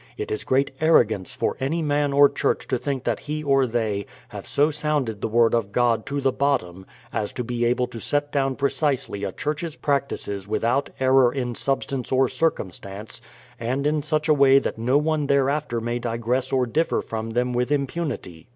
It is great arrogance for any man or Church to think that he or they have so sounded the word of God to the bot tom as to be able to set down precisely a Church's practices with out error in substance or circumstance, and in such a way that no one thereafter may digress or differ from them with impunity.